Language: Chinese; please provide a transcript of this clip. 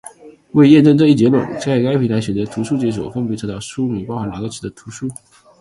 为验证这一结论，在该平台选择图书检索，分别查找书名包含两个词的图书。